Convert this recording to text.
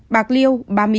bạc liêu ba mươi chín